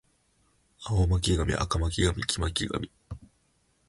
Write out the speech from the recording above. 青巻紙赤巻紙黄巻紙